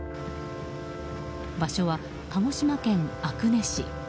場所は鹿児島県阿久根市。